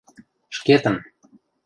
Шкетын.